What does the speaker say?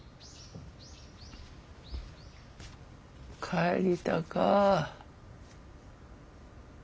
帰りたかぁ。